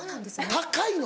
高いの。